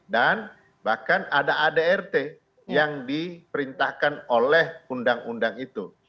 dan bahkan ada adrt yang diperintahkan oleh undang undang itu